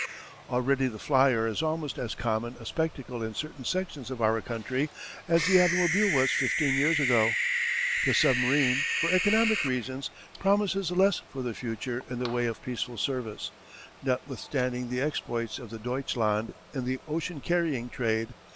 Already the flier is almost as common a spectacle in certain sections of our country as the automobile was fifteen years ago. The submarine, for economic reasons, promises less for the future in the way of peaceful service, notwithstanding the exploits of the Deutschland in the ocean carrying trade.